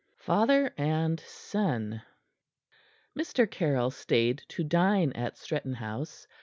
FATHER AND SON Mr. Caryll stayed to dine at Stretton House.